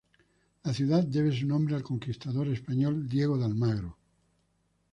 La ciudad debe su nombre al conquistador español Diego de Almagro.